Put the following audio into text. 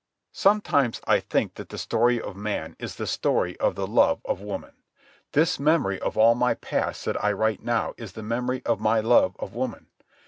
Sometimes I think that the story of man is the story of the love of woman. This memory of all my past that I write now is the memory of my love of woman.